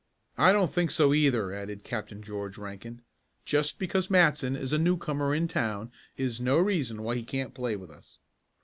"I don't think so either," added Captain George Rankin. "Just because Matson is a newcomer in town is no reason why he can't play with us."